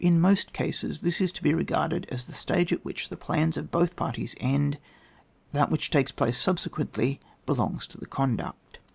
In most cases this is to be re g^arded as the stage at which the plans of both parties end ; that which takes place subsequently, belongs to the conduct.